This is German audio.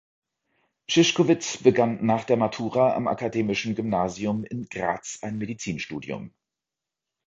Szyszkowitz begann nach der Matura am Akademischen Gymnasium in Graz ein Medizinstudium.